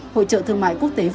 hội trợ thương mại quốc tế